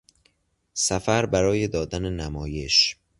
سفر برای دادن نمایش